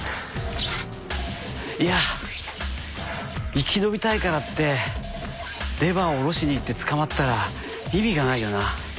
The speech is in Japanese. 生き延びたいからってレバーを下ろしに行って捕まったら意味がないよな。